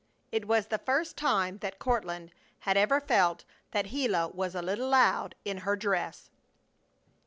It was the first time that Courtland had ever felt that Gila was a little loud in her dress!